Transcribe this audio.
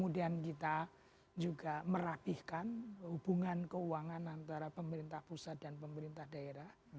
dan kita juga merapihkan hubungan keuangan antara pemerintah pusat dan pemerintah daerah